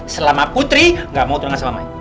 selama putri gak mau turunan selama ini